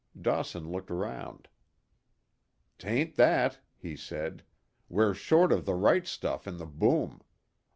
Dawson looked round. "'Tain't that," he said. "We're short of the right stuff in the boom.